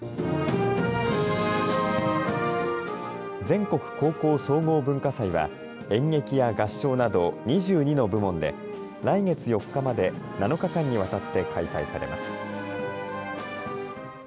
全国高校総合文化祭は演劇や合唱など２２の部門で来月４日まで７日間にわたって開催されます。